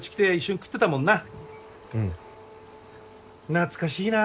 懐かしいな。